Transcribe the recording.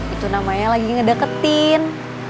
itu namanya lagi ngedeketin